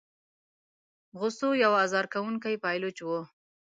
غوثو یو آزار کوونکی پایلوچ وو.